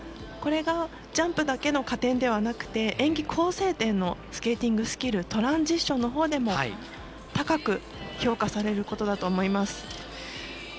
これが、ジャンプだけの加点ではなくて演技構成点のスケーティングスキルトランジッションのほうでも高く評価されることだと思います。